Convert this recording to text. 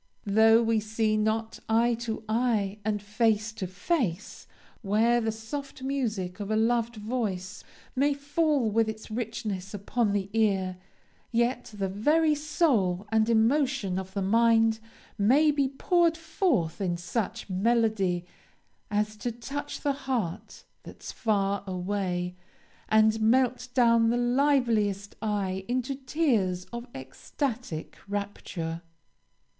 Though we see not eye to eye and face to face, where the soft music of a loved voice may fall with its richness upon the ear, yet the very soul and emotions of the mind may be poured forth in such melody as to touch the heart "that's far away," and melt down the liveliest eye into tears of ecstatic rapture.